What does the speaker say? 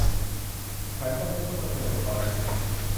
ฉันจะไม่พูดว่าเธอเป็น ตอนนี้